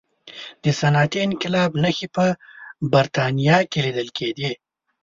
د صنعتي انقلاب نښې په برتانیا کې لیدل کېدې.